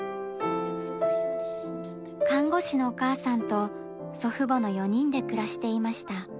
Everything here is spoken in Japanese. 看護師のお母さんと祖父母の４人で暮らしていました。